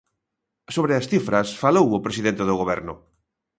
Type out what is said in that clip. Sobre as cifras falou o presidente do Goberno.